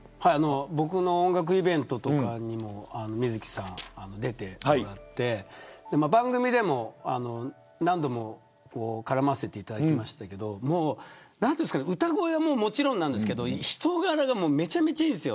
僕の音楽イベントとかにも水木さんに出てもらって番組でも何度も絡ませていただきましたが歌声はもちろんですが人柄がめちゃめちゃいいんですよ。